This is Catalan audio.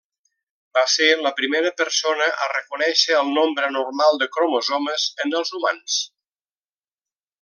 Va ser la primera persona a reconèixer el nombre normal de cromosomes en els humans.